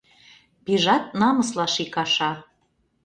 Пижат намыслаш икаша.